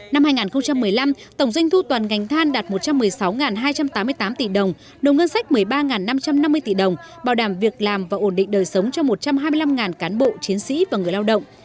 năm hai nghìn một mươi năm tổng doanh thu toàn ngành than đạt một trăm một mươi sáu hai trăm tám mươi tám tỷ đồng đồng ngân sách một mươi ba năm trăm năm mươi tỷ đồng bảo đảm việc làm và ổn định đời sống cho một trăm hai mươi năm cán bộ chiến sĩ và người lao động